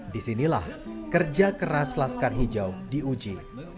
di sinilah kerja keras laskar hijau diuji